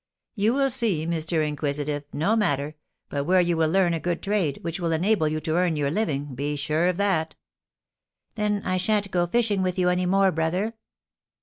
"You will see, Mr. Inquisitive; no matter; but where you will learn a good trade, which will enable you to earn your living, be sure of that." "Then I sha'n't go fishing with you any more, brother?"